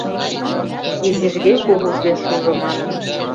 Изижге-кугужге шужо манын.